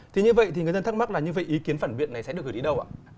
thì như vậy thì người dân thắc mắc là như vậy ý kiến phản biện này sẽ được gửi đi đâu ạ